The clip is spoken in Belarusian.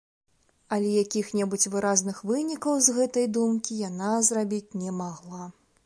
Але якіх-небудзь выразных вынікаў з гэтае думкі яна зрабіць не магла.